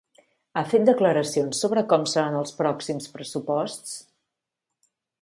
Ha fet declaracions sobre com seran els pròxims pressuposts?